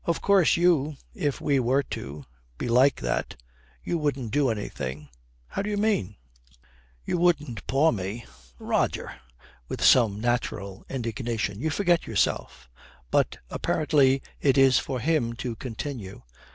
Of course you if we were to be like that, you wouldn't do anything.' 'How do you mean?' 'You wouldn't paw me?' 'Roger,' with some natural indignation, 'you forget yourself.' But apparently it is for him to continue.